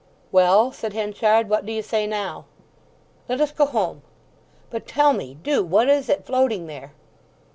"Well," said Henchard; "what do you say now?" "Let us go home." "But tell me—do—what is it floating there?"